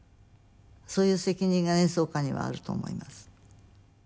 そういう責任が演奏家にはあると思います。